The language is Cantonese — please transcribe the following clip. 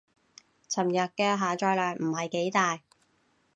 尋日嘅下載量唔係幾大